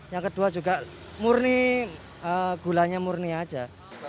yang kedua juga murni gulanya murni aja